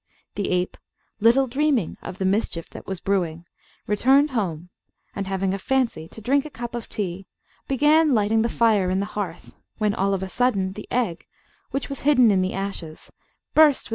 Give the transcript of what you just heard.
The ape, little dreaming of the mischief that was brewing, returned home, and, having a fancy to drink a cup of tea, began lighting the fire in the hearth, when, all of a sudden, the egg, which was hidden in the ashes, burst with.